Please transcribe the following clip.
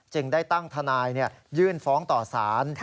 ได้ตั้งทนายยื่นฟ้องต่อสาร